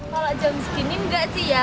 kalau jam segini enggak sih ya